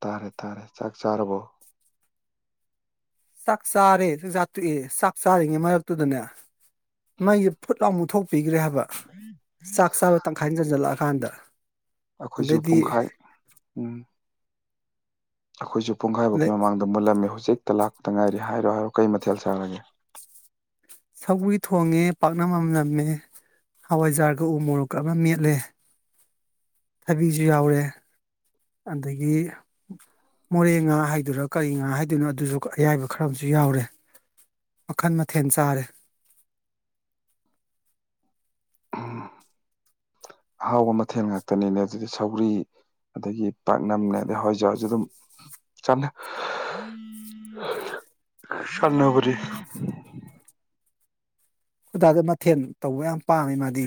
ꯇꯥꯔꯦ ꯇꯥꯔꯦ ꯆꯥꯛ ꯆꯔꯕꯣ꯫ ꯆꯥꯛ ꯆꯥꯔꯦ ꯆꯥꯛ ꯆꯥꯇꯣꯛꯑꯦ ꯆꯥꯛ ꯆꯥꯔꯤꯉꯩ ꯃꯔꯛꯇꯨꯗꯅꯦ꯫ ꯃꯩꯁꯦ ꯐꯨꯠ ꯂꯥꯎ ꯃꯨꯛꯊꯣꯛꯄꯤꯈ꯭ꯔꯦ ꯍꯥꯏꯕ ꯆꯥꯛ ꯆꯥꯕ ꯇꯪꯈꯥꯏ ꯆꯟꯖꯜꯂꯛꯑꯀꯥꯟꯗ꯫ ꯑꯩꯈꯣꯏꯁꯨ ꯑꯗꯩꯗꯤ ꯄꯨꯡꯈꯥꯏ ꯎꯝ ꯑꯩꯈꯣꯏꯁꯨ꯫ ꯄꯨꯡꯈꯥꯏ ꯃꯨꯀꯤ ꯑꯗꯩ ꯃꯃꯥꯡꯗ ꯃꯨꯜꯂꯝꯃꯤ ꯍꯧꯖꯤꯛꯇ ꯇꯂꯥꯛꯄꯗ ꯉꯥꯏꯔꯤ ꯍꯥꯏꯔꯣ ꯍꯥꯏꯔꯣ ꯀꯩ ꯃꯊꯦꯜ ꯁꯥꯔꯒꯦ꯫ ꯁꯧꯒꯔꯤ ꯊꯣꯡꯉꯦ ꯄꯥꯛꯅꯝ ꯑꯃ ꯅꯝꯃꯦ꯫ ꯍꯋꯥꯏꯖꯥꯔꯒ ꯎ ꯃꯣꯔꯣꯛꯀ ꯑꯃ ꯃꯦꯠꯂꯦ꯫ ꯊꯕꯤꯁꯨ ꯌꯥꯎꯔꯦ ꯑꯗꯒꯤ꯫ ꯃꯣꯔꯦ ꯉꯥ ꯍꯥꯏꯗꯨꯔꯥ ꯀꯔꯤ ꯉꯥ ꯍꯥꯏꯗꯨꯅꯣ ꯑꯗꯨꯁꯨ ꯑꯌꯥꯏꯕ ꯈꯔ ꯑꯃꯁꯨ ꯌꯥꯎꯔꯦ꯫ ꯃꯈꯜ ꯃꯊꯦꯜ ꯆꯥꯔꯦ꯫ ꯎꯝ ꯑꯍꯥꯎꯕ ꯃꯊꯦꯜ ꯉꯥꯛꯇꯅꯤꯅꯦ ꯑꯗꯨꯗꯤ ꯁꯧꯒ꯭ꯔꯤ꯫ ꯑꯗꯒꯤ ꯄꯥꯛꯅꯝꯒꯗꯤ ꯑꯗꯨꯝ ꯍꯋꯥꯏꯖꯔꯁꯨ ꯑꯗꯨꯝ ꯆꯥꯝꯅ ꯁꯥꯟꯅꯕꯅꯤ꯫ ꯑꯈꯣꯏ ꯗꯥꯗꯨ ꯃꯊꯦꯜ ꯇꯧꯕ ꯌꯥꯝ ꯄꯥꯝꯃꯦ ꯃꯥꯗꯤ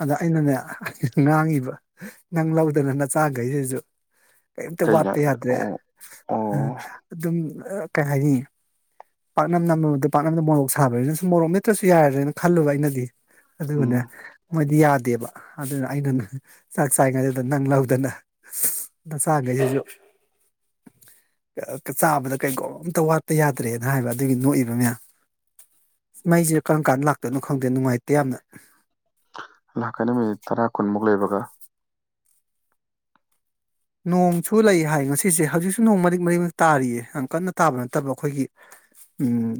ꯑꯗ ꯑꯩꯅꯅꯦ꯫ ꯉꯥꯡꯉꯤꯕ ꯅꯪ ꯂꯧꯗꯅ ꯅꯆꯥꯈꯩꯁꯤꯁꯨ꯫ ꯀꯩꯝꯇ ꯀꯩꯅꯣ ꯋꯥꯠꯇ ꯌꯥꯗ꯭ꯔꯦ ꯑꯣ ꯑꯣ ꯑꯗꯨꯝ ꯀꯩ ꯍꯥꯏꯅꯤ ꯄꯥꯛꯅꯝ ꯅꯝꯃꯗ ꯄꯥꯛꯅꯝꯗ ꯃꯣꯔꯣꯛ ꯁꯥꯕꯅꯤꯅꯁꯨ ꯃꯣꯔꯣꯛ ꯅꯦꯠꯇ꯭ꯔꯁꯨ ꯌꯥꯔ꯭ꯔꯦꯅ ꯈꯜꯂꯨꯕ ꯑꯩꯅꯗꯤ ꯑꯗꯨꯒꯅꯦ ꯎꯝ ꯃ ꯌꯥꯗꯦꯕ ꯑꯗꯨꯅ ꯑꯩꯅ ꯆꯥꯛ ꯆꯥꯏꯉꯩꯗꯨꯗ ꯅꯪ ꯂꯧꯗꯅ ꯅ ꯆꯈꯩꯁꯤꯁꯨ ꯆꯥꯕꯗ ꯀꯩꯒꯣ ꯑꯝꯇ ꯋꯥꯠꯄ ꯌꯥꯗ꯭ꯔꯦ ꯍꯥꯏꯔꯤꯕ ꯑꯗꯨꯒꯤ ꯅꯣꯛꯏꯕ ꯃꯌꯥꯝ ꯃꯩꯁꯦ ꯀꯔꯝ ꯀꯥꯟ ꯂꯥꯛꯇꯣꯏꯅꯣ ꯈꯪꯗꯦ ꯅꯨꯡꯉꯥꯏꯇꯦ ꯌꯥꯝꯅ ꯂꯥꯛꯀꯅꯤ ꯃꯤꯅꯤꯠ ꯇꯔꯥ [unintelligible] ꯅꯣꯡꯁꯨ ꯂꯩ ꯍꯥꯏ ꯉꯁꯤꯁꯦ ꯍꯧꯖꯤꯛꯁꯨ ꯅꯣꯡ ꯃꯔꯤꯛ ꯃꯔꯤꯃꯨꯛ ꯇꯥꯔꯤꯌꯦ ꯌꯥꯝ ꯀꯟꯅ ꯇꯥꯕ ꯅꯠꯇꯕ ꯑꯩꯈꯣꯏꯒꯤ ꯎꯝ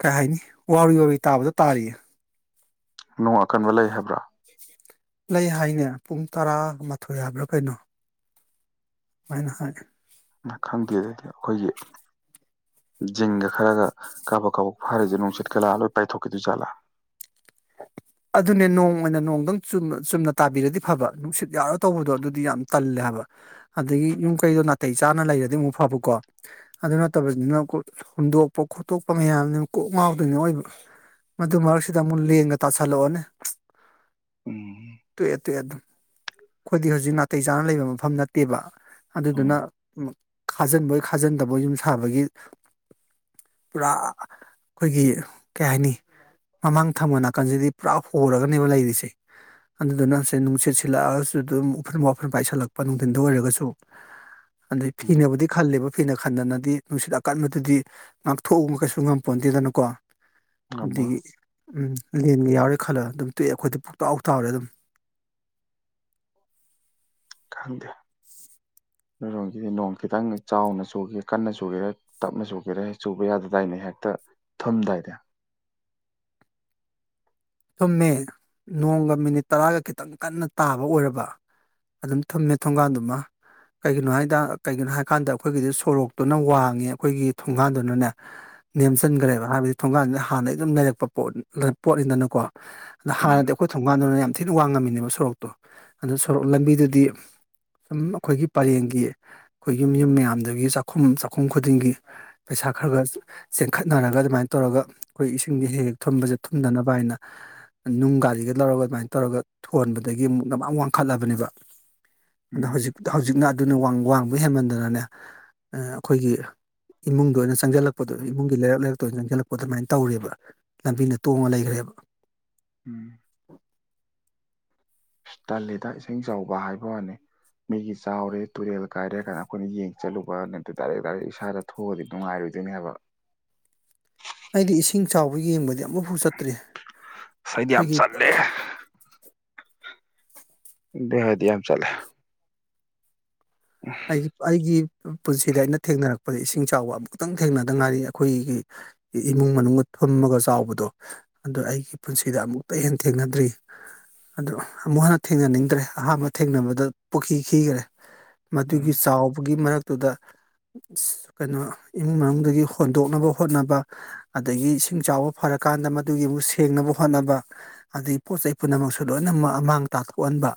ꯀꯩ ꯍꯥꯏꯅꯤ ꯋꯥ ꯋꯥꯔꯤ ꯇꯥꯕꯗ ꯇꯥꯔꯤꯌꯦ ꯅꯨꯡ ꯑꯀꯟꯕ ꯂꯩ ꯍꯥꯏꯕ꯭ꯔꯥ ꯂꯩ ꯍꯥꯏꯅꯦ ꯄꯨꯡ ꯇꯔꯥꯃꯊꯣꯏ ꯍꯥꯏꯕ꯭ꯔꯥ ꯀꯩꯅꯣ ꯋꯥꯅ ꯍ ꯅ ꯈꯪꯗꯦꯗꯗꯤ ꯑꯩꯈꯣꯏꯒꯤ ꯖꯤꯡꯒ ꯈꯔꯒ ꯀꯥꯕꯛ ꯀꯥꯕꯛ ꯐꯥꯔꯤꯁꯦ ꯅꯨꯡꯁꯤꯠꯀꯂꯥꯑ ꯂꯣꯏ ꯄꯥꯏꯊꯣꯛꯈꯤꯗꯣꯏ ꯖꯥꯠꯂꯥ [unintelligible] ꯑꯗꯨꯅꯦ ꯅꯣꯡ ꯑꯣꯏꯅꯤ ꯅꯣꯡꯗꯪ ꯆꯨꯝꯅ ꯇꯥꯕꯤꯔꯗꯤ ꯐꯕ ꯅꯨꯡꯁꯤꯠ ꯌꯥꯎꯔ ꯇꯧꯕꯗꯣ ꯑꯗꯨꯗꯤ ꯌꯥꯝ ꯇꯜꯂꯦ ꯍꯥꯏꯕꯥ ꯑꯗꯒꯤ ꯌꯨꯝ ꯀꯩꯗꯣ ꯅꯥꯇꯩ ꯆꯥꯅ ꯂꯩꯔꯗꯤ ꯑꯃꯨꯛ ꯐꯕꯀꯣ ꯑꯗꯨ ꯅꯠꯇꯕꯕꯁꯤꯅ ꯍꯨꯟꯗꯣꯛꯄ ꯈꯣꯠꯇꯣꯛꯄ ꯃꯌꯥꯝꯅꯤꯅ ꯀꯣꯛ ꯉꯥꯎꯗꯣꯏꯅꯤ ꯑꯣꯏꯕ ꯃꯗꯨ ꯃꯔꯛꯁꯤꯗꯥ ꯂ‌ꯦꯟꯒꯥ ꯇꯥꯁꯥꯂꯑꯣꯅꯦ ꯎꯝ ꯇ‌ꯣꯛꯑ‌ꯦ ‌ꯇ‌ꯣꯛꯑ‌ꯦ ꯑꯗꯨ ꯑꯩꯈꯣꯏꯗꯤ ꯍꯧꯖꯤꯛ ꯅꯥꯇꯩ ꯆꯥꯅ ꯂꯩꯕ ꯃꯐꯝ ꯅꯠꯇꯦꯕ ꯎꯝ ꯑꯗꯨꯗꯨꯅ ꯈꯥꯖꯤꯟꯕꯣꯏ ꯈꯥꯖꯤꯟꯗꯕꯣꯏ ꯌꯨꯝ ꯁꯥꯕꯒꯤ ꯄꯨꯔꯥ ꯑꯩꯈꯣꯏꯒꯤ ꯀꯩ ꯍꯥꯏꯅꯤ ꯃꯃꯥꯡ ꯊꯝꯕ ꯅꯥꯀꯟꯁꯤꯗꯤ ꯄꯨꯔꯥ ꯍꯣꯔꯒꯅꯦꯕ ꯂꯩꯔꯤꯁꯦ ꯑꯗꯨꯗꯨꯅ ꯉꯁ ꯅꯨꯡꯁꯤꯠ ꯁꯤꯜꯂꯛꯑꯒꯁꯨ ꯑꯗꯨꯝ ꯎꯐ꯭ꯔꯟ ꯋꯥꯐ꯭ꯔꯟ ꯄꯥꯏꯁꯤꯜꯂꯛꯄ ꯅꯨꯡꯊꯤꯟꯗ ꯑꯣꯏꯔꯒꯁꯨ ꯑꯗꯩ ꯎꯝ ꯐꯤꯅꯕꯨꯗꯤ ꯈꯜꯂꯦꯕ ꯐꯤꯅ ꯈꯟꯗꯅꯗꯤ ꯅꯨꯡꯁꯤꯠ ꯑꯀꯟꯕꯗꯗꯤ ꯉꯥꯛꯊꯣꯛꯎ ꯀꯩꯁꯨ ꯉꯝꯄ ꯑꯗꯨꯗꯅꯀꯣ ꯑꯃ ꯑꯗꯒꯤ ꯎꯝ ꯂꯦꯟꯒ ꯌꯥꯎꯔꯦ ꯈꯜꯂ ꯑꯗꯨꯝ ꯇꯣꯛꯑꯦ ꯑꯩꯈꯣꯏꯗꯤ ꯄꯨꯣꯛꯇꯥꯎ ꯍꯥꯎ ꯇꯥꯎꯔꯦ ꯑꯗꯨꯝ ꯑꯗꯥ [unintelligible] ꯃꯔꯣꯡꯒꯤꯗꯤ ꯅꯣꯡ ꯈꯤꯇꯪ ꯆꯥꯎꯅ ꯆꯨꯒꯦ ꯀꯟꯅ ꯆꯨꯒꯦꯔꯦ ꯇꯞꯅ ꯆꯨꯒꯦꯔꯦ ꯆꯨꯕ ꯌꯥꯗꯗꯥꯏꯅꯦ ꯍꯦꯛꯇ ꯊꯨꯝꯗꯥꯏꯗ ꯆꯨꯝꯃꯦ ꯅꯣꯡꯒ ꯃꯤꯅꯤꯠ ꯇꯔꯥꯒ ꯈꯤꯇꯪ ꯀꯟꯅ ꯇꯥꯕ ꯑꯣꯏꯔꯕ ꯑꯗꯨꯝ ꯊꯝꯃꯦ ꯊꯣꯡꯒꯥꯟꯗꯨꯃ ꯀꯩꯒꯤꯅꯣ ꯍꯥꯏꯗ ꯀꯩꯒꯤꯅꯣ ꯍꯥꯏꯀꯥꯟꯗ ꯑꯩꯈꯣꯏꯒꯤꯗꯤ ꯁꯣꯔꯣꯛꯇꯨꯅ ꯋꯥꯡꯉꯦ ꯑꯩꯈꯣꯏꯒꯤ ꯊꯣꯡꯒꯥꯟꯗꯨꯅꯅꯦ ꯅꯦꯝꯁꯤꯟꯈ꯭ꯔꯦꯕ ꯍꯥꯏꯕꯗꯤ ꯊꯣꯡꯒꯥꯟꯁꯤꯅ ꯍꯥꯟꯅꯩ ꯑꯗꯨꯝ ꯂꯩꯔꯛꯄ ꯄꯣꯠ ꯄꯣꯠꯅꯤꯗꯅ ꯀꯣ ꯑꯗ ꯎꯝ ꯍꯥꯟꯅꯗꯤ ꯑꯩꯈꯣꯏ ꯊꯣꯡꯒꯥꯟꯗꯨꯅ ꯌꯥꯝ ꯊꯤꯅ ꯋꯥꯡꯉꯝꯃꯤꯅꯦꯕ ꯁꯣꯔꯣꯛꯇꯣ ꯑꯗꯨ ꯁꯣꯔꯣꯛ ꯂꯝꯕꯤꯗꯨꯗꯤ ꯁꯨꯝ ꯑꯩꯈꯣꯏꯒꯤ ꯄꯔꯦꯡꯒꯤ ꯑꯩꯈꯣꯏ ꯌꯨꯝ ꯌꯨꯝ ꯃꯌꯥꯝꯗꯒꯤ ꯆꯥꯛꯈꯨꯝ ꯆꯥꯛꯈꯨꯝ ꯈꯨꯗꯤꯡꯒꯤ ꯄꯩꯁꯥ ꯊꯥ ꯈꯔ ꯈꯔ ꯆꯦꯟꯈꯠꯅꯔꯒ ꯑꯗꯨꯃꯥꯏꯅ ꯇꯧꯔꯒ ꯑꯩꯈꯣꯏ ꯏꯁꯤꯡꯁꯦ ꯍꯦꯛ ꯍꯦꯛ ꯊꯨꯝꯕꯁꯦ ꯊꯨꯝꯗꯅꯕ ꯍꯥꯏꯅ ꯅꯨꯡ ꯒꯥꯔꯤꯒ ꯂꯧꯔꯒ ꯑꯗꯨꯃꯥꯏꯅ ꯇꯧꯔꯒ ꯊꯣꯟꯕꯗꯒꯤ ꯑꯃꯨꯛ ꯃ ꯃꯥꯥꯡ ꯋꯥꯡꯈꯠꯂꯕꯅꯦꯕ ꯑꯗꯣ ꯎꯝ ꯍꯧꯖꯤꯛ ꯍꯧꯖꯤꯛꯅ ꯑꯗꯨꯅ ꯋꯥꯡꯕ ꯍꯦꯟꯃꯟꯗꯅꯅꯦ ꯑꯩꯈꯣꯏꯒꯤ ꯏꯃꯨꯡꯗ ꯑꯣꯏꯅ ꯆꯪꯁꯤꯜꯂꯛꯄꯗꯣ ꯏꯃꯨꯡꯒꯤ ꯂꯩꯔꯛ ꯂꯩꯔꯛꯇ ꯑꯣꯏꯅ ꯆꯪꯁꯤꯜꯂꯛꯄꯗꯣ ꯑꯗꯨꯃꯥꯏꯅ ꯇꯧꯔꯦꯕ ꯂꯝꯕꯤꯗ ꯇꯣꯡꯉ ꯂꯩꯈ꯭ꯔꯦꯕ ꯎꯝ ꯇꯜꯂꯤꯗ ꯏꯁꯤꯡ ꯆꯥꯎꯕ ꯍꯥꯏꯕ ꯋꯥꯅꯤ ꯃꯩꯒꯤ ꯆꯥꯎꯔꯦ ꯇꯨꯔꯦꯜ ꯀꯥꯏꯔꯦ ꯀꯥꯟꯗ ꯑꯩꯈꯣꯏꯅ ꯌꯦꯡ ꯆꯠꯂꯨꯕ ꯅꯠꯇ ꯗꯥꯏꯔꯦꯛ ꯗꯥꯏꯔꯦꯛ ꯏꯁꯥꯗ ꯊꯣꯛꯑꯗꯤ ꯅꯨꯡꯉꯥꯏꯔꯣꯏ ꯗꯣꯏꯅ ꯍꯥꯏꯕ ꯑꯩꯗꯤ ꯏꯁꯤꯡ ꯆꯥꯎꯕ ꯌꯦꯡꯕꯗꯤ ꯃꯐꯨ ꯆꯠꯇ꯭ꯔꯤ ꯑꯁ ꯑꯩꯗꯤ ꯌꯥꯝ ꯑꯩꯈꯣꯏꯒꯤ ꯆꯠꯂꯦ ꯌꯥꯦꯗꯤ ꯌꯥꯝ ꯆꯂꯦ ꯑꯩꯒꯤ ꯑꯩꯒꯤ ꯄꯨꯟꯁꯤꯗ ꯑꯩꯅ ꯊꯦꯡꯅꯔꯛꯄꯗ ꯏꯁꯤꯡ ꯆꯥꯎꯕ ꯑꯃꯛꯇꯪ ꯊꯦꯡꯅꯗ ꯉꯥꯏꯔꯤ ꯑꯩꯈꯣꯏꯒꯤ ꯏꯃꯨꯡ ꯃꯅꯨꯡ ꯊꯝꯃꯒ ꯆꯥꯎꯕꯗꯣ ꯑꯗꯨꯗ ꯑꯩꯒꯤ ꯄꯨꯟꯁꯤꯗ ꯑꯃꯨꯛꯇ ꯍꯦꯟꯅ ꯊꯦꯡꯅꯗ꯭ꯔꯤ ꯑꯗ ꯑꯃꯨꯛ ꯍꯟꯅ ꯊꯦꯡꯅꯅꯤꯡꯗ꯭ꯔꯦ ꯑꯍꯥꯟꯕ ꯊꯦꯡꯅꯕꯗ ꯄꯨꯈꯤ ꯈꯤꯈꯔꯦ ꯎꯝ ꯃꯗꯨꯒꯤ ꯆꯥꯎꯕꯒꯤ ꯃꯔꯛꯇꯨꯗ ꯀꯩꯅꯣ ꯏꯃꯨꯡ ꯃꯅꯨꯡꯗꯒꯤ ꯍꯣꯟꯗꯣꯛꯅꯕ ꯍꯣꯠꯅꯕ ꯑꯗꯒꯤ ꯏꯁꯤꯡ ꯆꯥꯎꯕ ꯐꯔꯛ ꯆꯠ ꯀꯥꯟꯗ ꯃꯗꯨꯒꯤꯕꯨ ꯁꯦꯡꯅꯕ ꯍꯣꯠꯅꯕ ꯑꯗꯒꯤ ꯄꯣꯠ ꯆꯩ ꯄꯨꯝꯅꯃꯛꯁꯨ ꯂꯣꯏꯅ ꯑꯃꯥꯡ ꯇꯥꯊꯣꯛꯍꯟꯕ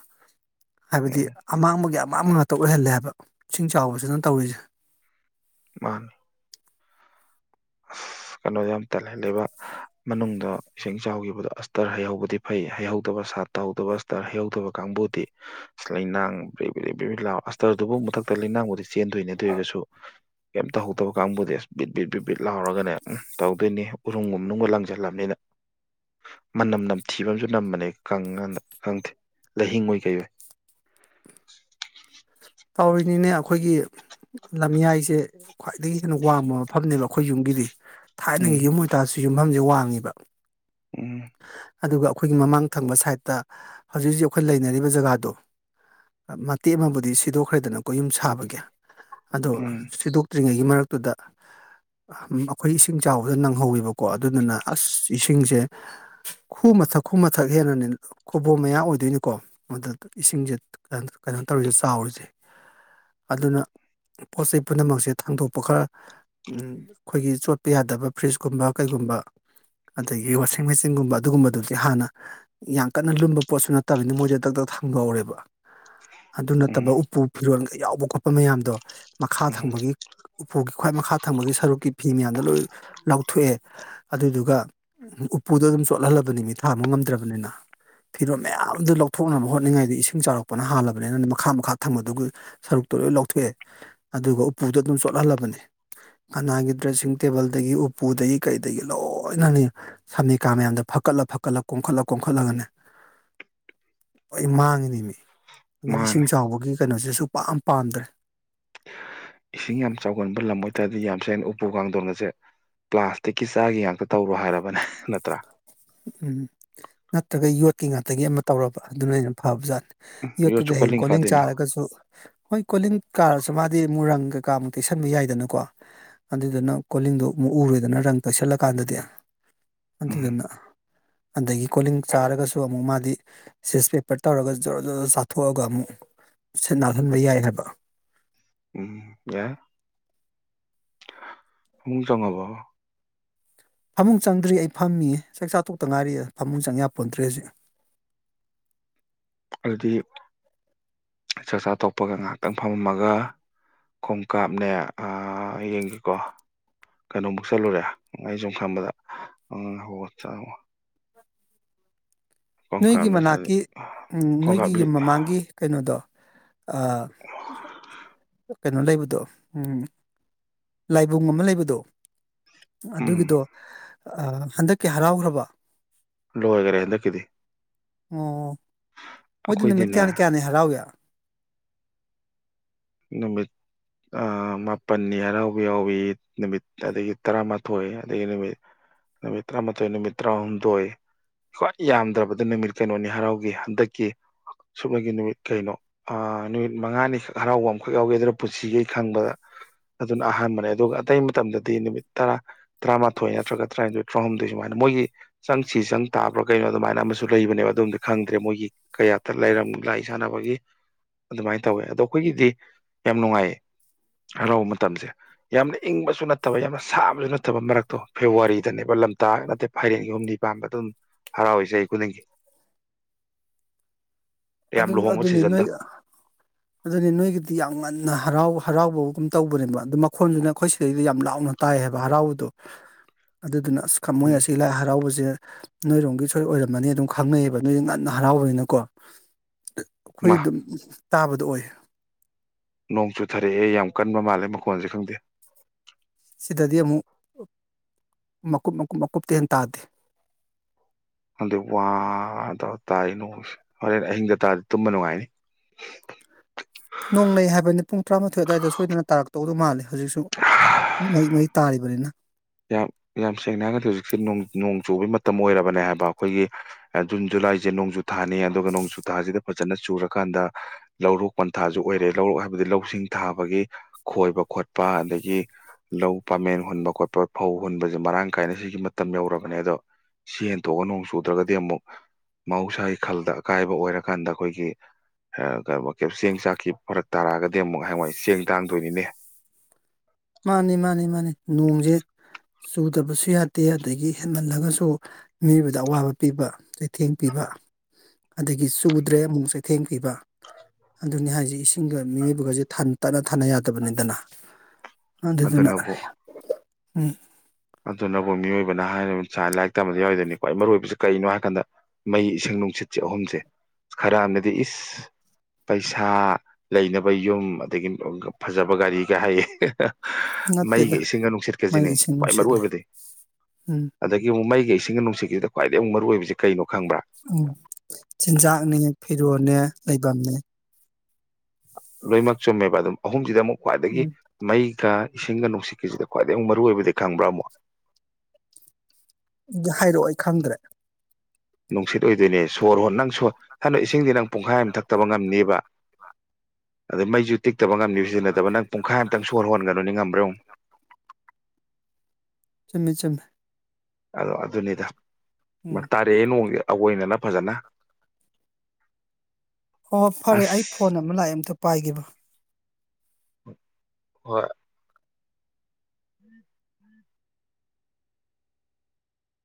ꯍꯥꯏꯕꯗꯤ ꯎꯝ ꯑꯃꯥꯡꯕꯒꯤ ꯑꯃꯥꯡꯕ ꯇ ꯑꯣꯏꯍꯜꯂꯦ ꯍꯥꯏꯕ ꯏꯁꯤꯡ ꯆꯥꯎꯕꯁꯤꯅ ꯇꯧꯔꯤꯁꯦ ꯃꯥꯅ [unintelligible] [inaudible] ꯀꯩꯅꯣ ꯌꯥꯝ ꯇꯜꯍꯦꯂꯕ ꯃꯅꯨꯡꯗ ꯏꯁꯤꯡ ꯆꯥꯎꯈꯤꯕꯗꯣ ꯑꯁꯇꯔ ꯍꯩꯍꯧꯕꯗꯤ ꯐꯩ ꯍꯩꯍꯧꯗꯕ ꯁꯥ ꯇꯧꯗꯕ ꯑꯁꯇꯔ ꯍꯩꯍꯧꯗꯕ ꯀꯥꯡꯕꯨꯗꯤ ꯂꯩꯅꯥ ꯕ ꯕ ꯑꯁꯇꯔꯗꯨꯕꯨ ꯃꯊ ꯂꯩꯅꯥꯡꯕꯨꯗꯤ ꯆꯦꯟꯗꯣꯏꯅꯦꯗꯣꯏꯔꯒꯁꯨ ꯀꯩꯝ ꯇꯧꯍꯧꯗꯕ ꯀꯥꯡꯕꯨꯗꯤ ꯑꯁ ꯕꯤꯠ ꯕꯤꯠ ꯕꯤꯠ ꯂꯥꯎꯔꯒꯅꯦ ꯎꯝ ꯇꯧꯗꯣꯏꯅꯤ ꯎꯔꯨꯝꯒꯨꯝ ꯃꯅꯨꯡꯗ ꯂꯪꯁꯤꯜꯂꯝꯕꯅꯤꯅ ꯃꯅꯝ ꯅꯝꯊꯤꯕꯝꯨ ꯅꯝꯕꯅꯦꯪꯗꯦ ꯂꯩꯍꯤꯡꯉꯣꯏ ꯀꯩꯏ ꯇꯧꯔꯤꯅꯤꯅꯦ ꯑꯩꯈꯣꯏꯒꯤ ꯂꯝꯌꯥꯏꯁꯦ ꯈ꯭ꯋꯥꯏꯗꯒꯤ ꯍꯦꯟꯅ ꯋꯥꯡꯕ ꯃꯐꯝꯅꯦꯕ ꯑꯩꯈꯣꯏ ꯌꯨꯝꯒꯤꯗꯤ ꯎꯝ ꯊꯥꯏꯅꯒꯤ ꯌꯨꯝ ꯑꯣꯏꯇꯥꯔꯁꯨ ꯌꯨꯝꯐꯝꯁꯦ ꯋꯥꯡꯉꯤꯕ ꯎꯝ ꯑꯗꯨꯒ ꯑꯩꯈꯣꯏꯒꯤ ꯃꯃꯥꯡ ꯊꯪꯕ ꯁꯥꯏꯠꯇ ꯍꯧꯖꯤꯛ ꯍꯧꯖꯤꯛ ꯑꯩꯈꯣꯏ ꯂꯩꯅꯔꯤꯕ ꯖꯒꯥꯗꯣ ꯃꯇꯦꯛ ꯑꯃꯕꯨꯗꯤ ꯁꯤꯗꯣꯛꯈ꯭ꯔꯦꯗꯅ ꯀ ꯌꯨꯝ ꯁꯥꯕꯒꯤ ꯑꯗꯣ ꯎꯝ ꯁꯤꯗꯣꯛꯇ꯭ꯔꯤꯉꯩ ꯒꯤ ꯃꯔꯛꯇꯨꯗ ꯑꯩꯈꯣꯏ ꯏꯁꯤꯡ ꯆꯥꯎꯕꯗ ꯅꯪꯍꯧꯋꯦꯕꯀꯣ ꯑꯗꯨꯗꯨꯅ ꯑꯁ ꯏꯁꯤꯡꯁꯦ ꯈꯨ ꯃꯊꯛ ꯈꯨꯨ ꯃꯊꯛ ꯍꯦꯟꯅꯅꯤ ꯈꯨꯕꯣꯝ ꯃꯌꯥ ꯑꯣꯏꯗꯣꯏꯅꯤꯀꯣ ꯃꯗꯨꯗ ꯏꯁꯤꯡꯁꯦ ꯀꯩꯅꯣ ꯇꯧꯔꯤ ꯆꯥꯎꯔꯤꯁꯦ ꯑꯗꯨꯅ ꯄꯣꯠ ꯆꯩꯩ ꯄꯨꯝꯅꯃꯛꯁꯦ ꯊꯥꯡꯗꯣꯛꯄ ꯈꯔ ꯑꯩꯈꯣꯏꯒꯤ ꯆꯣꯠꯄ ꯌꯥꯗꯕ ꯐ꯭ꯔꯤꯖꯀꯨꯝꯕ ꯀꯩꯒꯨꯝꯕ [unintelligible] [inaudible] ꯑꯗꯒꯤ ꯋꯥꯁꯤꯡ ꯃꯦꯆꯤꯟꯒꯨꯝꯕ ꯑꯗꯨꯒꯨꯝꯕꯗꯨꯗꯤ ꯍꯥꯟꯅ ꯌꯥꯝ ꯀꯟꯅ ꯂꯨꯝꯕ ꯄꯣꯠꯁꯨ ꯅꯠꯇꯕꯅꯤ ꯃꯣꯏꯗ ꯗ ꯊꯥꯡꯕꯍꯧꯔꯦꯕ ꯑꯗꯨ ꯎꯝ ꯅꯠꯇꯕ ꯎꯄꯨ ꯐꯤꯔꯣꯜꯒ ꯌꯥꯎꯕ ꯈꯣꯠꯄ ꯃꯌꯥꯝꯗꯣ ꯃꯈꯥ ꯎꯝ ꯊꯪꯕꯒꯤ ꯎꯄꯨꯒꯤ ꯈ꯭ꯋꯥꯏ ꯃꯈꯥ ꯊꯪꯕꯒꯤ ꯁꯔꯨꯛꯀꯤ ꯐꯤ ꯃꯌꯥꯝꯗ ꯂꯣꯏ ꯂ ꯂꯧꯊꯣꯛꯑꯦ ꯑꯗꯨꯗꯨꯒ ꯎ ꯎꯄꯨꯗꯣ ꯑꯗꯨꯝ ꯆꯣꯠꯍꯜꯂꯕꯅꯤ ꯃꯤ ꯊꯥꯕ ꯉꯝꯗ꯭ꯔꯕꯅꯤꯅ ꯐꯤꯔꯣꯝ ꯃꯌꯥꯝꯗꯨ ꯂꯧꯊꯣꯛꯅꯕ ꯍꯣꯠꯅꯤꯡꯉꯥꯏꯗ ꯏꯁꯤꯡ ꯆꯥꯎꯔꯛꯄꯅ ꯍꯥꯜꯂꯕꯅꯤꯅꯅ ꯃꯈꯥ ꯃꯈꯥ ꯊꯝꯕꯗꯨ ꯁꯔꯨꯛꯇꯨ ꯂꯣꯏ ꯂꯧꯊꯣꯛꯑꯦ ꯑꯗꯨꯒ ꯎꯄꯨꯗ ꯑꯗꯨꯝ ꯆꯣꯠꯍꯜꯂꯕꯅꯤ ꯀꯅꯥꯒꯤ ꯗ꯭ꯔꯦꯁꯤꯡ ꯇꯦꯕꯜꯗꯒꯤ ꯎꯄꯨꯗꯒꯤ ꯀꯩꯗꯒꯤ ꯂꯣꯏꯅ ꯁꯝꯅꯤꯀꯥ ꯃꯌꯥꯝꯗ ꯐꯀꯠꯂ ꯐꯀꯠꯂ ꯀꯣꯝꯈꯠꯂ ꯀꯣꯝꯈꯠꯂꯒꯅꯦ ꯑꯩ ꯃꯥꯡꯉꯤꯅꯤ ꯃꯤ ꯑꯗꯨꯅ ꯏꯁꯤꯡ ꯃꯥꯅꯦ ꯆꯥꯎꯕꯒꯤ ꯀꯩꯅꯣꯁꯤꯁꯨ ꯄꯥꯝ ꯄꯥꯝꯗ꯭ꯔꯦ ꯏꯁꯤꯡ ꯌꯥꯝ ꯆꯥꯎꯒꯟꯕ ꯂꯝ ꯑꯣꯏꯇꯥꯔꯗꯤ ꯌꯥꯝ ꯁꯅ ꯎꯄꯨ ꯀꯥꯡꯊꯣꯟꯅꯁꯦ ꯄ꯭ꯂꯥꯁꯇꯤꯛꯀꯤ ꯆꯥꯒꯤ ꯉꯥꯛꯇ ꯇꯧꯔꯣ ꯍꯥꯏꯔꯕꯅꯦ ꯅꯠꯇ꯭ꯔꯥ ꯎꯝ ꯅꯠꯇ꯭ꯔꯒ ꯌꯣꯠꯀꯤ ꯉꯥꯛꯇꯒꯤ ꯑꯃ ꯇꯧꯔꯕ ꯑꯗꯨꯅ ꯑꯩꯅ ꯐꯕꯖꯥꯠꯅꯤ ꯎꯝ ꯌꯣꯠꯇꯨꯗ ꯌꯣꯠꯁꯨ ꯍꯌꯦꯡ ꯀꯣꯂꯤꯡ ꯀꯥꯗꯣꯏꯅꯣ ꯆꯥꯔꯒꯁꯨ ꯍꯣꯏ ꯀꯣꯂꯤꯡ ꯀꯥꯔꯁꯨ ꯃꯥꯗꯤ ꯃꯨꯔꯪꯒ ꯀꯥꯃꯨꯛ ꯇꯩꯁꯟꯕ ꯌꯥꯏꯗꯅꯀꯣ ꯑꯗꯨꯗꯨꯅ ꯀꯣꯂꯤꯡꯗꯣ ꯑꯃꯨꯛ ꯎꯔꯣꯏꯗꯅ ꯔꯪ ꯇꯩꯁꯜꯂꯀꯥꯟꯗꯗꯤ ꯑꯇ ꯎꯝ ꯑꯗꯨꯟꯅ ꯑꯗꯒꯤ ꯀꯣꯂꯤꯡ ꯆꯥꯔꯒꯁꯨ ꯑꯃꯨꯛ ꯃꯥꯗꯤ ꯁꯦꯁ ꯄꯦꯄꯔ ꯇꯧꯔꯒ ꯖꯣꯔꯔꯣ ꯖꯔꯣ ꯆꯥꯊꯣꯛꯑꯒ ꯑꯃꯨꯛ ꯁꯠ ꯅꯥꯜꯍꯟꯕ ꯌꯥꯏ ꯍꯥꯏꯕ ꯎꯝ ꯌꯥꯏ ꯍ ꯆꯪꯉꯕꯣ ꯐꯃꯨꯡ ꯆꯪꯗ꯭ꯔꯤ ꯑꯩ ꯐꯝꯃꯤ ꯆꯥꯛ ꯆꯥꯊꯣꯛꯇ ꯉꯥꯏꯔꯤ ꯐꯃꯨꯡ ꯆꯪꯦ ꯄꯣꯟꯗ꯭ꯔꯤ ꯍꯧꯖꯤꯛ [unintelligible] [inaudible] ꯑꯗꯨꯗꯤ ꯆꯥꯛ ꯆꯥ ꯇꯣꯛꯄꯒ ꯉꯥꯏꯍꯥꯛꯇꯪ ꯐꯝꯃꯝꯃꯒ ꯈꯣꯡꯀꯥꯞꯅꯦ ꯌꯦꯡꯒꯦꯀꯣ ꯀꯩꯅꯣꯃꯨꯛ ꯆꯠꯂꯨꯔꯦ ꯑꯩ ꯁꯨꯝ ꯈꯕꯗ ꯍ ꯆꯪꯉꯣ ꯅꯣꯏꯒꯤ ꯆꯠꯂꯤ ꯃꯅꯥꯛꯀꯤ ꯎ ꯅꯣꯏꯒꯤ ꯈꯣꯡꯀꯥꯞꯂꯤ ꯌꯨꯝ ꯃꯃꯥꯡꯒꯤ ꯀꯩꯅꯣꯗꯣ ꯑ ꯀꯩꯅꯣ ꯂꯩꯕꯗꯣ ꯎꯝ ꯂꯥꯏꯕꯨꯡ ꯑꯃ ꯂꯩꯕꯗꯣ ꯎꯝ ꯑꯗꯨꯒꯤꯗꯣ ꯍꯟꯗꯛꯀꯤ ꯍꯔꯥꯎꯈ꯭ꯔꯕ ꯂꯑꯒꯔ ꯍꯦꯟꯗ ꯀꯗꯤ ꯑꯣ ꯃꯣꯏꯗꯤ ꯅꯨꯃꯤꯠ ꯑꯩꯈꯣꯏꯗꯤꯅꯦ ꯀꯌꯥꯅꯤ ꯀꯌꯥꯅꯤ ꯍꯔꯥꯎꯋꯦ ꯅꯃꯦ ꯃꯥꯄꯜꯅꯤ ꯍꯔꯥꯎꯕ ꯌꯥꯎꯏꯤ ꯅꯨꯃꯤꯠ ꯑꯗꯒꯤ ꯇꯔꯥꯃꯥꯊꯣꯏ ꯑꯗꯒꯤ ꯅꯨꯃꯤꯠ ꯃ ꯃꯤꯇꯩ꯭ꯔ ꯊꯣꯛꯣꯏꯅ ꯃ ꯃꯤꯇꯩ꯭ꯔ ꯑꯃꯨꯝꯗꯣꯣꯏ ꯈ꯭ꯋꯥꯏ ꯌꯥꯝꯗ꯭ꯔꯕꯗ ꯅꯨꯃꯤꯠ ꯀꯩꯅꯣꯅꯤ ꯍꯔꯥꯎꯒꯤ ꯍꯟꯗꯛꯀꯤ ꯁꯨꯞꯅꯒꯤ ꯅꯨꯃꯤꯠ ꯀꯩꯅꯣ ꯑ ꯅꯨꯃꯤꯠ ꯃꯉꯥꯅꯤꯈꯛ ꯍꯔꯥꯎꯕ ꯑꯩꯈꯣꯏ ꯌꯥꯎꯒꯦ ꯑꯗꯨꯅ ꯄꯨꯟꯁꯤꯒꯦ ꯈꯪꯕꯗ ꯑꯗꯨꯅ ꯑꯍꯥꯟꯕꯅꯦ ꯑꯗꯨꯒ ꯑꯇꯩ ꯃꯇꯝꯗꯗꯤ ꯅꯨꯃꯤꯠ ꯇꯔꯥ ꯇꯔꯥꯃꯥꯊꯣꯏ ꯅꯠꯇ꯭ꯔꯒ ꯇꯔꯥꯅꯤꯊꯣꯏ ꯇꯔꯥꯍꯨꯝꯗꯣꯏ ꯁꯨꯃꯥꯏꯅ ꯃꯣꯏꯒꯤ ꯆꯪꯁꯤ ꯆꯪ ꯇꯥꯕ꯭ꯔꯥ ꯀꯩꯅꯣ ꯑꯗꯨꯃꯥꯏꯅ ꯑꯃꯁꯨ ꯂꯩꯕꯅꯦꯕ ꯑꯗꯨꯝꯗꯤ ꯈꯪꯗ꯭ꯔꯦ ꯃꯣꯏꯒꯤ ꯀꯌꯥ ꯂꯩꯝꯒ ꯂꯥꯏ ꯁꯥꯟꯅꯕꯒꯤ ꯑꯗꯨꯃꯥꯏꯅ ꯇꯧꯋꯦ ꯑꯗꯣ ꯑꯩꯈꯣꯏꯒꯤꯗꯤ ꯌꯥꯝ ꯅꯨꯡꯉꯥꯏꯌꯦ ꯍꯔꯥꯎ ꯃꯇꯝꯁꯦ ꯌꯥꯝꯅ ꯏꯪꯕꯁꯨ ꯅꯠꯇꯕ ꯌꯥꯝꯅ ꯁꯥꯕꯁꯨ ꯅꯠꯇꯕ ꯃꯔꯛꯇꯣ ꯐꯦꯕꯋꯥꯔꯤꯗꯅꯦꯕ ꯂꯝꯇꯥ ꯅꯠꯇꯦ ꯐꯥꯏꯔꯦꯟꯒꯤ ꯍꯨꯝꯗꯤ ꯄꯥꯟꯕꯥꯝꯕ ꯑꯗꯨꯝ ꯍꯔꯥꯎꯋ ꯆꯍꯤ ꯈꯨꯗꯤꯡꯒꯤ [unintelligible] ꯌꯥꯝ ꯑꯗꯨ ꯂꯨꯍꯣꯡꯕ ꯑꯗꯨꯅꯤ ꯅꯣꯏ ꯁꯤꯖꯟꯗ ꯑꯗꯨꯅꯤ ꯅꯣꯏꯒꯤ ꯌꯥꯝ ꯉꯟꯅ ꯍꯔꯥꯎ ꯍꯔꯥꯎꯕꯒꯨꯝ ꯇꯧꯕꯅꯦꯕ ꯑ ꯃꯈꯣꯟꯗꯨꯅ ꯑꯩꯈꯣꯏ ꯁꯤꯗꯩꯗ ꯌꯥꯝ ꯂꯥꯎꯅ ꯇꯥꯏ ꯍꯥꯏꯕ ꯍꯔꯥꯎꯕꯗꯣ ꯑꯗꯨꯗꯨꯅ ꯑꯁꯃꯣꯏ ꯎꯝ ꯑꯁꯤ ꯂꯥꯏ ꯍꯔꯥꯎꯕꯁꯦ ꯅꯣꯏꯔꯣꯝꯒꯤ ꯁꯣꯏ ꯑꯣꯏꯔꯝꯃꯅꯤ ꯑꯗꯨꯝ ꯈꯪꯅꯩꯌꯦꯕ ꯅꯣꯏꯁꯦ ꯉꯟꯅ ꯍꯔꯥꯎꯕꯅꯤꯅꯀꯣ ꯑꯩꯈꯣꯏ ꯃꯥ ꯑꯗꯨꯝ ꯇꯥꯕꯗꯣ ꯑꯣꯏ ꯅꯣꯡ ꯆꯨꯊꯔꯛꯑꯦ ꯌꯥꯝ ꯀꯟꯕ ꯃꯥꯜꯂꯦ ꯃꯈꯣꯟꯁꯦ ꯈꯪꯗꯦ ꯁꯤꯗꯗꯤ ꯑꯃꯨꯛ ꯃꯀꯨꯞ ꯃꯀꯨꯞ ꯃꯀꯨꯞꯇ ꯍꯦ ꯇꯥꯗꯦ ꯑꯗꯨꯗꯤ ꯋꯥꯗ ꯇꯥꯏꯅꯣ ꯍꯣꯔꯦꯟ ꯑꯍꯤꯡꯗ ꯇꯥꯔꯗꯤ ꯇꯨꯝꯕ ꯅꯨꯡꯉꯥꯏꯅꯤ [unintelligible] ꯅꯣꯡ ꯇꯧꯗꯧ ꯃꯥꯜꯂꯦ ꯍꯧꯖꯤꯛꯁꯨ ꯃꯍꯤꯛ ꯃꯍꯤꯛ ꯇꯥꯔꯤꯕꯅꯤꯅ ꯌꯥꯝ ꯌꯥꯝ ꯁꯦꯡꯅ ꯍꯥꯏꯔꯒꯗꯤ ꯍꯧꯖꯤꯛꯁꯦ ꯅꯣꯡ ꯆꯨꯕꯒꯤ ꯃꯇꯝ ꯑꯣꯏꯔꯕꯅꯦ ꯍꯥꯏꯕ ꯑꯩꯈꯣꯏꯒꯤ ꯖꯨꯟ ꯖꯨ ꯂꯥꯏꯁꯦ ꯅꯣꯡꯖꯨ ꯊꯥꯅꯤ ꯑꯗꯨꯒ ꯅꯣꯡꯖꯨ ꯊꯥꯁꯤꯗ ꯐꯖꯅ ꯆꯨꯔꯀꯥꯟꯗ ꯂꯧꯔꯣꯛ ꯄꯟꯊꯥꯁꯨ ꯑꯣꯏꯔꯦ ꯂꯧꯔꯣꯛ ꯍꯥꯏꯕꯗꯤ ꯂꯧꯁꯤꯡ ꯊꯥꯕꯒꯤ ꯈꯣꯏꯕ ꯈꯣꯠꯄ ꯑꯗꯒꯤ ꯂꯧ ꯄꯥꯃꯦꯟ ꯍꯨꯟꯕ ꯈꯣꯠꯄ ꯐꯧ ꯍꯨꯟꯕꯁꯦ ꯃꯔꯥꯡ ꯀꯥꯏꯅ ꯁꯤꯒꯤ ꯃꯇꯝ ꯌꯧꯔꯛꯔꯕꯅꯦ ꯑꯗꯣ ꯁꯤ ꯍꯦꯟꯇꯣꯛꯑꯒ ꯅꯣꯡ ꯆꯨꯗ꯭ꯔꯒꯗꯤ ꯑꯃꯨꯛ ꯃꯍꯧꯁꯥꯒꯤ ꯈꯜꯗ ꯑꯀꯥꯏꯕ ꯑꯣꯏꯔꯀꯥꯟꯗ ꯑꯩꯈꯣꯏꯒꯤ ꯆꯦꯡ ꯆꯥꯛꯈꯤ ꯐꯔꯛ ꯇꯥꯔꯛꯑꯒꯗꯤ ꯑꯃꯨꯛ ꯍꯥꯏ ꯃꯏ ꯆꯦꯡ ꯇꯥꯡꯗꯣꯏꯅꯤꯅꯦ ꯃꯥꯅꯤ ꯃꯥꯅꯤ ꯃꯥꯅꯤ ꯅꯣꯡꯁꯦ ꯆꯨꯗꯕꯁꯨ ꯌꯥꯗꯦ ꯑꯗꯒꯤ ꯍꯦꯟꯃꯜꯂꯒꯁꯨ ꯃꯤꯑꯣꯏꯕꯗ ꯑꯋꯥꯕ ꯄꯤꯕ ꯆꯩꯊꯦꯡ ꯄꯤꯕ ꯑꯗꯒꯤ ꯆꯨꯗ꯭ꯔꯦ ꯑꯃꯨꯛ ꯆꯩꯊꯦꯡ ꯄꯤꯕ ꯑꯗꯨꯅꯤ ꯍꯥꯏꯁꯦ ꯏꯁꯤꯡꯒ ꯃꯤꯑꯣꯏꯕꯒꯁꯦ ꯇꯠꯅ ꯊꯥꯅ ꯌꯥꯗꯕꯅꯤꯗꯅ ꯑꯗꯨꯗꯨꯅ ꯎꯝ ꯑꯗꯨꯅꯕꯨꯣꯏ ꯃꯤꯑꯣꯏꯕꯅ ꯍꯥꯏꯥꯏꯅ ꯂꯥꯏꯔꯤꯛ ꯇꯝꯕꯗ ꯌꯥꯎꯣꯏꯗꯣꯏꯅꯤꯀꯣ ꯑꯩ ꯃꯔꯨꯑꯣ ꯑꯣꯏꯕꯁꯤ ꯀꯩꯅꯣ ꯍꯥꯏ ꯀꯥꯟꯗ ꯃꯩ ꯏꯁꯪ ꯅꯨꯡꯁꯤꯠꯁꯦ ꯑꯍꯨꯝꯁꯦ ꯈꯔꯅꯗꯤ ꯏꯁ ꯄꯩꯁꯥ ꯂꯩꯅꯕ ꯌꯨꯝ ꯑꯗꯒꯤ ꯐꯖꯕ ꯒꯥꯔꯤꯒ ꯍꯥꯏꯌꯦ ꯃꯩꯒ ꯅꯠꯇꯦꯗ ꯏꯁꯤꯡꯒ ꯅꯨꯡꯁꯤꯠ ꯃꯥꯏ ꯀꯦꯖꯤꯅꯦ ꯏꯁꯤꯡ ꯈ꯭ꯋꯥꯏ ꯃꯔꯨꯑꯣ ꯅꯨꯡꯁꯤꯠꯅꯦ ꯑꯣꯏꯕꯗꯤ ꯎꯝ ꯑꯗꯒꯤ ꯑꯃꯨꯛ ꯃꯩꯒꯤ ꯏꯁꯤꯡꯒ ꯅꯨꯡꯁꯤꯠꯁꯤꯗ ꯈ꯭ꯋꯥꯏꯗꯒꯤ ꯑꯃꯨꯛ ꯃꯔꯨꯑꯣ ꯑꯣꯏꯕꯁꯤ ꯀꯩꯅꯣ ꯈꯪꯕ ꯎꯝ ꯆꯤꯟꯖꯥꯛꯅꯦ ꯐꯤꯔꯣꯜꯅꯦ ꯂꯩꯐꯝꯅꯦ ꯂꯣꯏꯅꯃꯛ ꯆꯨꯝꯃꯦꯕ ꯑꯗꯨꯝ ꯑꯍꯨꯝꯁꯤꯗ ꯑꯃꯨꯛ ꯈ꯭ꯋꯥꯏꯗꯒꯤ ꯎꯝ ꯃꯩ ꯀ ꯏꯁꯤꯡꯒ ꯅꯨꯡꯁꯤꯠꯀꯤꯁꯤꯗ ꯈ꯭ꯋꯥꯏꯗꯒꯤ ꯑꯃꯨꯛ ꯃꯔꯨꯑꯣ ꯑꯣꯏꯕꯗꯤ ꯈꯪꯕ꯭ꯔꯥ ꯑꯃꯨꯛ ꯍꯥꯏꯔꯛꯑꯣ ꯑꯩ ꯈꯪꯗ꯭ꯔꯦ ꯅꯨꯡꯁꯤꯠ ꯑꯣꯏꯗꯣꯏꯅꯦ ꯁꯣꯔ ꯍꯣ ꯅꯪ ꯁ ꯁꯗꯣ ꯏꯁꯤꯡꯗꯤ ꯅꯪ ꯄꯨꯡꯈꯥꯏ ꯑꯃ ꯊꯛꯇꯕ ꯉꯝꯅꯦꯕ ꯑꯗ ꯃꯩꯁꯨ ꯇꯤꯛꯇꯕ ꯉꯝꯅꯤꯕ ꯁꯤꯖꯤꯟꯅꯗꯕ ꯅꯪ ꯄꯨꯡꯈꯥꯏ ꯑꯃꯝꯇꯪ ꯁꯣꯔ ꯍꯣꯟꯒꯅꯨꯅꯤ ꯉꯝꯕ꯭ꯔ ꯃꯤꯦꯆꯨꯝ ꯑꯗꯣ ꯑꯗꯨꯅꯤꯗ ꯎꯝ ꯇꯥꯔꯛꯑꯦ ꯅꯣꯡꯒꯤ ꯑꯩꯣꯏꯅꯅ ꯐꯖꯅ ꯑꯣ ꯐꯔꯦ ꯑꯁ ꯑꯩ ꯐꯣꯟ ꯑꯃ ꯂꯥꯛꯑꯦ ꯑꯝꯇ ꯄꯥꯏꯈꯤꯕ ꯍꯣꯏ